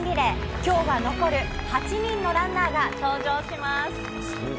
きょうは残る８人のランナーが登場します。